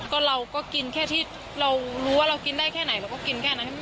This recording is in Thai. ก็เราก็กินแค่ที่เรารู้ว่าเรากินได้แค่ไหนเราก็กินแค่นั้น